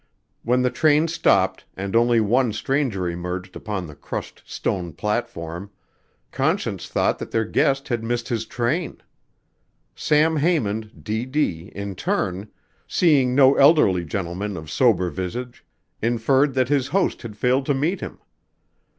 When the train stopped, and only one stranger emerged upon the crushed stone platform, Conscience thought that their guest had missed his train. Sam Haymond, D.D., in turn, seeing no elderly gentleman of sober visage, inferred that his host had failed to meet him.